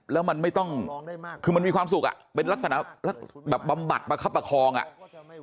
แล้วมันไม่ต้องคือมันมีความสุขอ่ะเป็นลักษณะแบบบำบัดประคับประคองอ่ะ